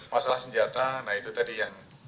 masalah senjata nah itu tadi yang